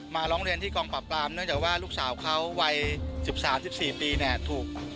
ร้องเรียนที่กองปราบปรามเนื่องจากว่าลูกสาวเขาวัย๑๓๑๔ปีเนี่ยถูก